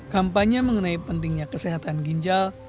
kampanye mengenai pentingnya kesehatan ginjal